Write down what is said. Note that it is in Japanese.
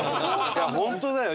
いやホントだよ。